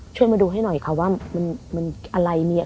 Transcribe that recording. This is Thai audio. ช่วยมาดูให้หน่อยค่ะว่ามันอะไรมี